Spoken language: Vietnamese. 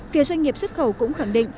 phía doanh nghiệp xuất khẩu cũng khẳng định